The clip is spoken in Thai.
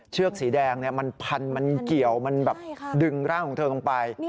เชือกสีแดงมันพันมันเกี่ยวมันแบบดึงร่างของเธอลงไป